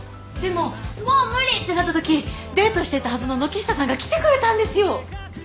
でももう無理ってなったときデートしていたはずの軒下さんが来てくれたんですよ。